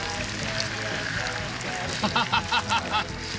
ハハハハ！